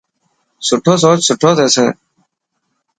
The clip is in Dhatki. سٺو سوچ سٺو ٿيسي.